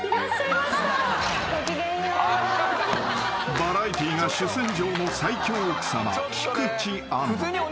［バラエティーが主戦場の最強奥さま］